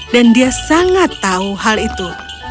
dan dia sangat tahu hal itu